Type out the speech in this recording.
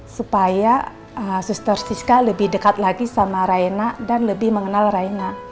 supaya suster siska lebih dekat lagi sama raina dan lebih mengenal raina